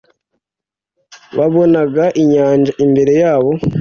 babonaga inyanja imbere yabo,